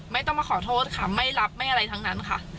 ไม่ต้องมาขอโทษค่ะไม่รับไม่อะไรทั้งนั้นค่ะ